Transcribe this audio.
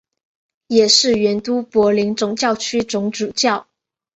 也是原都柏林总教区总主教。